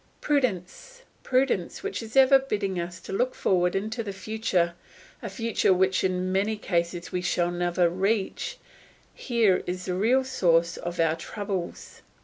Prudence! Prudence which is ever bidding us look forward into the future, a future which in many cases we shall never reach; here is the real source of all our troubles!